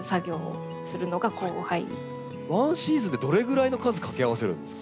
ワンシーズンでどれぐらいの数掛け合わせるんですか？